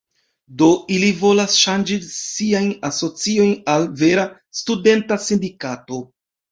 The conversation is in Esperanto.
Do ili volas ŝanĝi sian asocion al vera studenta sindikato.